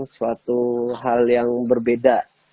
suatu hal yang berbeda